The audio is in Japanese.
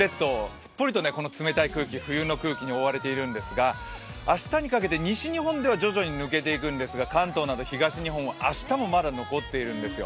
すっぽりと冷たい空気、冬の空気に覆われているんですが明日にかけて西日本では徐々に抜けていくんですが関東など東日本では明日もまだ残っているんですよ。